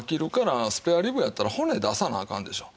スペアリブやったら骨出さなアカンでしょう。